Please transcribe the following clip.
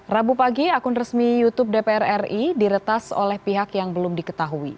rabu pagi akun resmi youtube dpr ri diretas oleh pihak yang belum diketahui